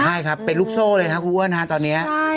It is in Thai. ใช่ครับเป็นลูกโซ่เลยครับกรูเวิ่นตอนนี้